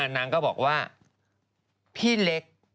นางก็บอกว่าพี่เล็ก